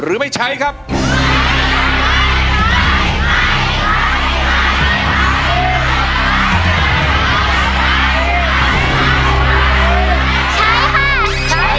ก็คือร้องให้เหมือนเพลงเมื่อสักครู่นี้